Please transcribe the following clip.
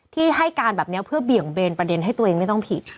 ที่ให้การแบบนี้เพื่อเบี่ยงเบนประเด็นให้ตัวเองไม่ต้องผิด